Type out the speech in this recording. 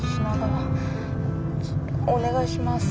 お願いします。